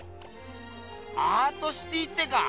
アートシティーってか！